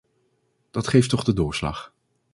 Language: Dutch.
Dat geeft toch de doorslag.